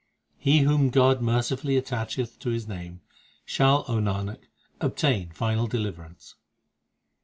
He whom God mercifully attacheth to His name, Shall, O Nanak, obtain final deliverance.